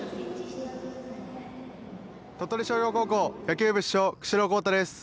鳥取商業高校野球部主将、久城洸太です。